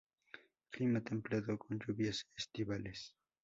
Clima templado con lluvias estivales.